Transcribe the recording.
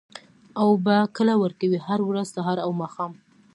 اوبه کله ورکوئ؟ هره ورځ، سهار او ماښام